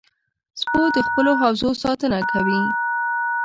سپو د خپلو حوزو ساتنه کوي.